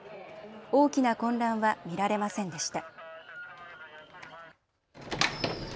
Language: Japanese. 大きな混乱は見られませんでした。